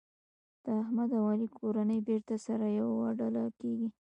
د احمد او علي کورنۍ بېرته سره یوه ډله کېږي.